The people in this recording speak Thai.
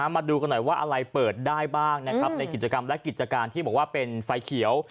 มาดูกันหน่อยว่าอะไรเปิดได้บ้างนะครับในกิจกรรมและกิจการที่บอกว่าเป็นไฟเขียว